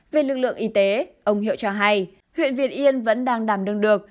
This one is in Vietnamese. về lực lượng y tế ông hiệu cho hay huyện việt yên vẫn đang đảm đương được